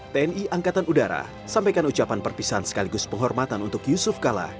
tni angkatan udara sampaikan ucapan perpisahan sekaligus penghormatan untuk yusuf kala